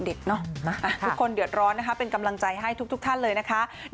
ทุกคนเดือดร้อนนะคะเป็นกำลังใจให้ทุกท่านเลยนะคะ